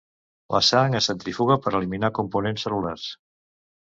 La sang es centrifuga per eliminar components cel·lulars.